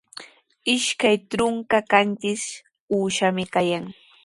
Ishkay trunka qanchis uushami kayan.